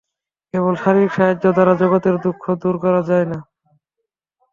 কেবল শারীরিক সাহায্য দ্বারা জগতের দুঃখ দূর করা যায় না।